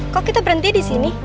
kok kita berhenti di sini